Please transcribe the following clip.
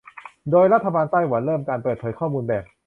โดยรัฐบาลไต้หวันเริ่มการเปิดเผยข้อมูลแบบ